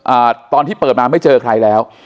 อ่าตอนที่เปิดมาไม่เจอใครแล้ว